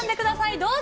どうぞ。